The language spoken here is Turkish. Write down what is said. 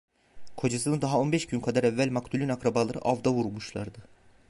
Kocasını daha on beş gün kadar evvel maktulün akrabaları avda vurmuşlardı.